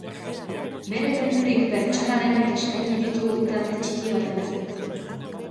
Bere doinurik pertsonalenak eskaini ditu, talde txiki batentzat.